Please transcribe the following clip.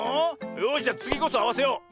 よしじゃつぎこそあわせよう。